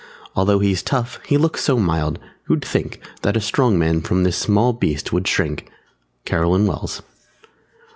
_ Although he's tough, he looks so mild, who'd think That a strong man from this small beast would shrink? _Carolyn Wells.